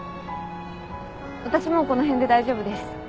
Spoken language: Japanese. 私もうこの辺で大丈夫です。